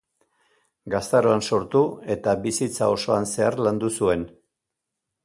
Gaztaroan sortu eta bizitza osoan zehar landu zuen.